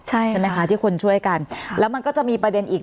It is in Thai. ใช่ไหมคะที่คนช่วยกันแล้วมันก็จะมีประเด็นอีก